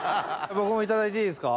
僕もいただいていいですか？